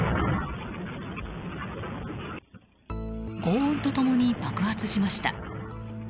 轟音と共に爆発しました。